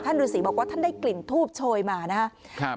ท่านฤษีบอกว่าท่านได้กลิ่นทูบโชยมานะฮะ